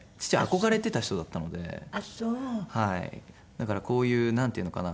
だからこういうなんていうのかな